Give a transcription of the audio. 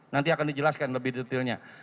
nanti akan dijelaskan lebih detailnya